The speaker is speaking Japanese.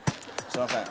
すいません